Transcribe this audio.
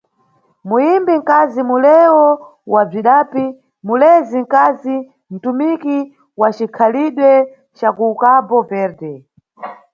Muyimbi nkazi, muleweo wa bzwidapi, mulezi nkazi, "ntumiki" wa cikhalidwe ca kuCabo Verde.